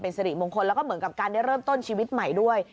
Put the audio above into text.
สิริมงคลแล้วก็เหมือนกับการได้เริ่มต้นชีวิตใหม่ด้วย